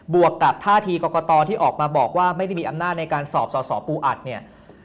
วกกับท่าทีกรกตที่ออกมาบอกว่าไม่ได้มีอำนาจในการสอบสอสอปูอัดเนี่ย